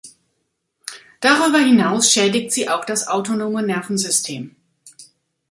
Darüber hinaus schädigt sie auch das autonome Nervensystem.